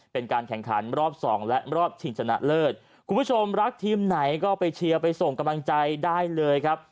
เป็นการแข่งขันรอบสองและรอบชิงชนะเลิศคุณผู้ชมรักทีมไหนก็ไปเชียร์ไปส่งกำลังใจได้เลยครับ